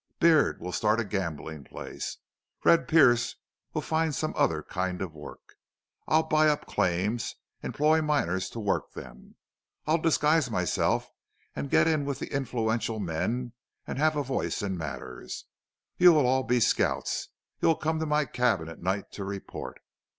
Beard will start a gambling place. Red Pearce will find some other kind of work. I'll buy up claims employ miners to work them. I'll disguise myself and get in with the influential men and have a voice in matters. You'll all be scouts. You'll come to my cabin at night to report.